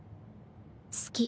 好き。